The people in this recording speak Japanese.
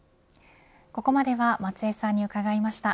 ここまでは松江さんに伺いました。